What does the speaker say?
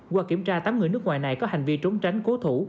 qua kiểm tra tám người nước ngoài này có hành vi trốn tránh cố thủ